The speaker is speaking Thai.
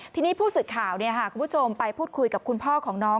ที่นี่ผู้ศึกข่าวต้องไปพูดคุยกับคุณพ่อของน้อง